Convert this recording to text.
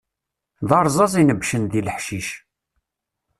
D arẓaz inebbcen deg leḥcic.